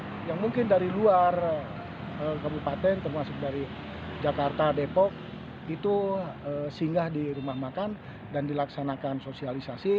mereka diizinkan dari luar kempaten termasuk dari jakarta depok singgah di rumah makan dan dilaksanakan sosialisasi